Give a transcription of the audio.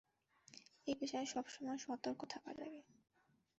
এ পেশায় সবসময়ে সতর্ক থাকা লাগে।